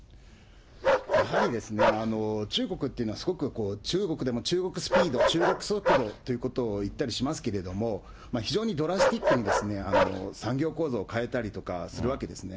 やはりですね、中国って、今すごく、中国でも中国スピード、中国速度ということをいったりしますけども、非常にドラスティックに、産業構造を変えたりとかするわけですね。